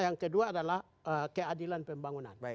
yang kedua adalah keadilan pembangunan